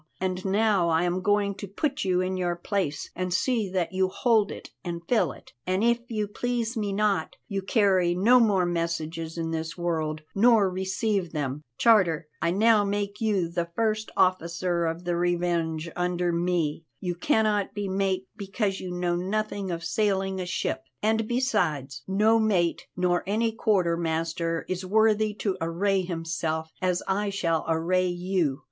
And now I am going to put you in your place, and see that you hold it and fill it. An if you please me not, you carry no more messages in this world, nor receive them. Charter, I now make you the first officer of the Revenge under me. You cannot be mate because you know nothing of sailing a ship, and besides no mate nor any quarter master is worthy to array himself as I shall array you.